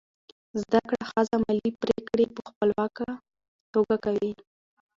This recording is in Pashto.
زده کړه ښځه مالي پریکړې په خپلواکه توګه کوي.